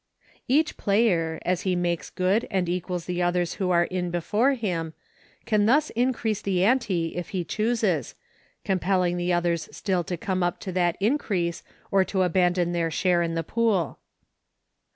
137 Each player, as he makes good and equals the others who are in before him, can thus increase the ante if he chooses, compelling the others still to come up to that increase or to abandon their share in the pool.